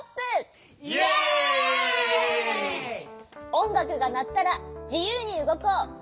おんがくがなったらじゆうにうごこう！